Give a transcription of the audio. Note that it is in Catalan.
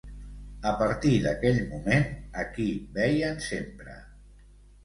A partir d'aquell moment, a qui veien sempre?